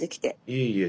いえいえ。